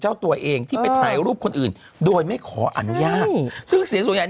เจ้าตัวเองที่ไปถ่ายรูปคนอื่นโดยไม่ขออนุญาตซึ่งเสียงส่วนใหญ่